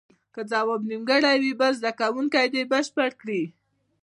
که ځواب نیمګړی وي بل زده کوونکی دې بشپړ کړي.